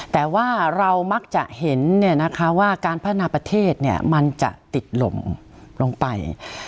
แต่ว่าเรามักจะเห็นว่าการพัฒนาประเทศมันจะติดลมลงไป